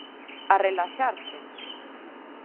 A relaxarse!